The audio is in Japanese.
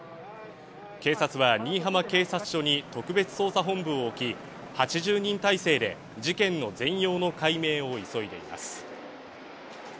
警察は新居浜警察署に特別捜査本部を置き、８０人態勢で事件の全容の解明を急いでいます。